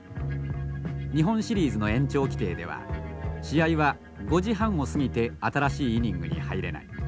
日本シリーズの延長規定では試合は５時半を過ぎて新しいイニングに入れない。